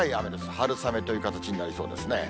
春雨という形になりそうですね。